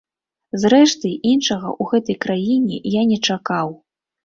Зрэшты, іншага ў гэтай краіне я не чакаў.